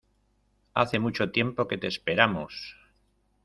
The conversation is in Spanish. Hace mucho tiempo que te esperamos.